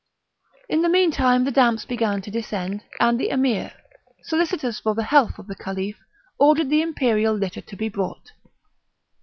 In the meantime the damps began to descend, and the Emir, solicitous for the health of the Caliph, ordered the imperial litter to be brought.